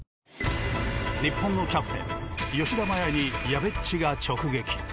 日本のキャプテン吉田麻也にやべっちが直撃。